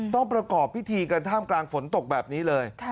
ประกอบพิธีกันท่ามกลางฝนตกแบบนี้เลย